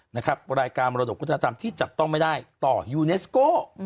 นะครับรายการวัฒนธรรมที่จัดต้องไม่ได้ต่อยูเนสโก